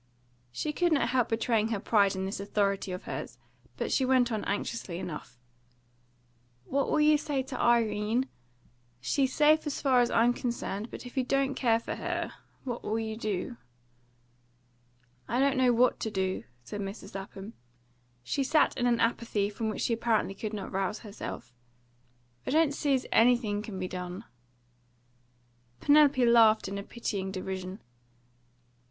She could not help betraying her pride in this authority of hers, but she went on anxiously enough, "What will you say to Irene? She's safe as far as I'm concerned; but if he don't care for her, what will you do?" "I don't know what to do," said Mrs. Lapham. She sat in an apathy from which she apparently could not rouse herself. "I don't see as anything can be done." Penelope laughed in a pitying derision.